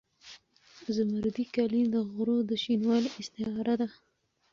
زمردي کالي د غرو د شینوالي استعاره ده.